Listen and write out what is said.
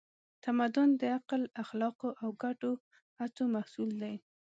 تمدن د عقل، اخلاقو او ګډو هڅو محصول دی.